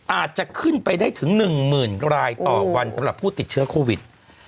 อาจจะขึ้นไปได้ถึง๑๐๐๐รายต่อวันสำหรับผู้ติดเชื้อโควิด